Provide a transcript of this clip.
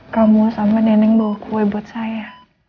kamu sama nenek bawa kue buat saya